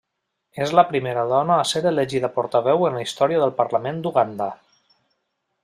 És la primera dona a ser elegida portaveu en la història del Parlament d'Uganda.